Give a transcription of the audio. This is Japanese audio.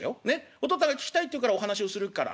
お父っつぁんが聞きたいっていうからお話しをするからねっ。